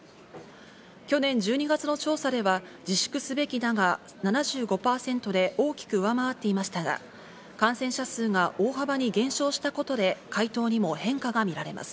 去年１２月の調査では自粛すべきだが７５％で大きく上回っていましたが感染者数が大幅に減少したことで、回答にも変化が見られます。